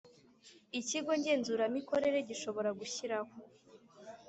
Ikigo ngenzuramikorere gishobora gushyiraho